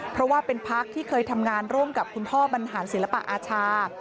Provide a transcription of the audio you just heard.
เพราะว่าเป็นพักที่เคยทำงานร่วมกับคุณพ่อบรรหารศิลปะอาชา